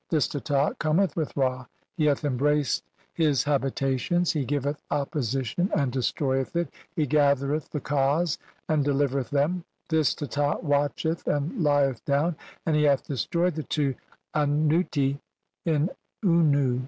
This Teta. "cometh with Ra, he hath embraced his habitations, "he giveth opposition and destroyeth it, he gathereth "the Kas and delivereth them ; this Teta watcheth "and lieth down, and he hath destroyed the two Anuti "in Unnu.